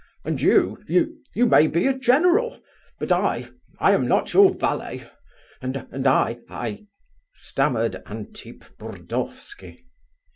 And you... you may be a general! But I... I am not your valet! And I... I..." stammered Antip Burdovsky.